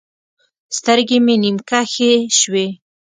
سترګې مې نيم کښې سوې.